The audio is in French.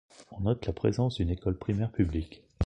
On note la présence d'une école primaire publique.